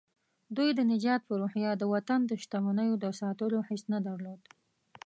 دوی د نجات په روحيه د وطن د شتمنيو د ساتلو حس نه درلود.